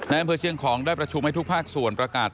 อำเภอเชียงของได้ประชุมให้ทุกภาคส่วนประกาศ